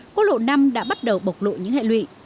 quốc lộ năm đã bắt đầu bộc lộ những hệ lụy